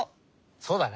そうだね。